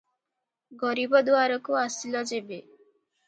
ଗରିବ ଦୁଆରକୁ ଆସିଲ ଯେବେ ।